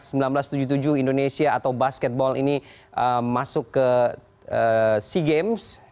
seribu sembilan ratus tujuh puluh tujuh indonesia atau basketball ini masuk ke sea games